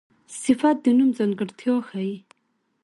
صفت د نوم ځانګړتیا ښيي.